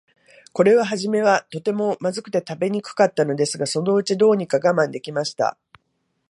これははじめは、とても、まずくて食べにくかったのですが、そのうちに、どうにか我慢できました。